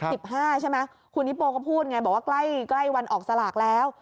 สิบห้าใช่ไหมคุณฮิโปก็พูดไงบอกว่าใกล้ใกล้วันออกสลากแล้ว